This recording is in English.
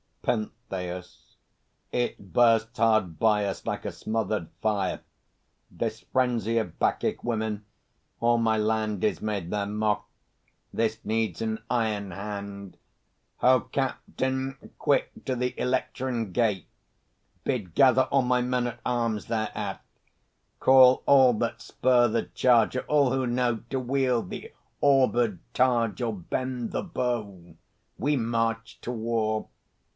PENTHEUS. It bursts hard by us, like a smothered fire, This frenzy of Bacchic women! All my land Is made their mock. This needs an iron hand! Ho, Captain! Quick to the Electran Gate; Bid gather all my men at arms thereat; Call all that spur the charger, all who know To wield the orbèd targe or bend the bow; We march to war!